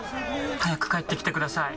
早く帰ってきてください。